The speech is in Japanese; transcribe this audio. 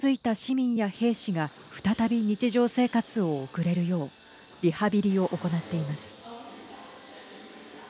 各地のリハビリセンターでは傷ついた市民や兵士が再び日常生活を送れるようリハビリを行っています。